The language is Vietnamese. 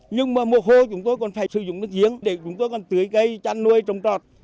nhưng mà mùa hô chúng tôi còn phải sử dụng nước giếng để chúng tôi còn tưới cây chăn nuôi trồng trọt